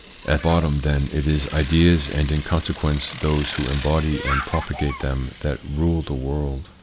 At bottom, then, it is ideas, and in consequence those who embody and propagate them that rule the world.